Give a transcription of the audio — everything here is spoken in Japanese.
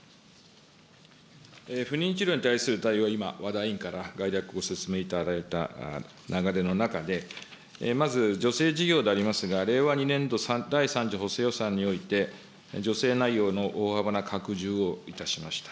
不妊治療に対する対応、今、和田委員から概略を説明いただいた流れの中で、まず、助成事業でありますが、令和２年度第３次補正予算において、助成内容の大幅な拡充をいたしました。